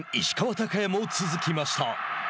昂弥も続きました。